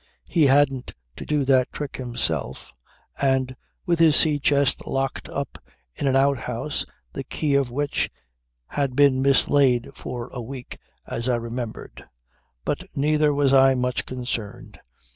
He hadn't to do that trick himself, and with his sea chest locked up in an outhouse the key of which had been mislaid for a week as I remembered. But neither was I much concerned.